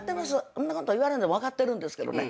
そんなこと言われんでも分かってるんですけどね。